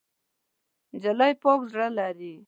نجلۍ پاک زړه لري.